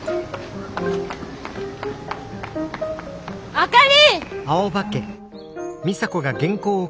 あかり！